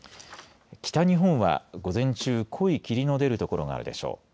北日本は午前中濃い霧の出る所があるでしょう。